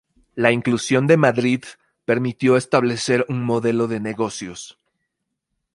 La inclusión de Madrid permitió establecer un modelo de negocios.